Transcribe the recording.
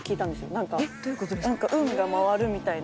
何か運が回るみたいな。